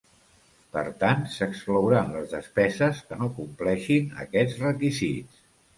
Per tant, s'exclouran les despeses que no compleixin aquests requisits.